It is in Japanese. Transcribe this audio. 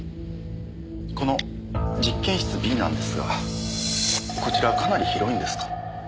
この実験室Ｂなんですがこちらかなり広いんですか？